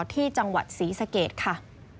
ที่จังหวัดศรีสะเกดค่ะ